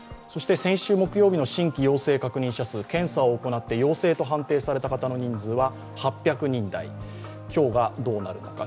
先週木曜日の新規陽性確認者数、検査を行って陽性と判定された方の人数は８００人台、今日はどうなるのか。